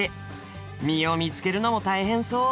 実を見つけるのも大変そう。